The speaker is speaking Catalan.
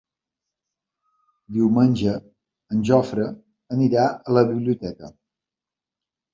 Diumenge en Jofre anirà a la biblioteca.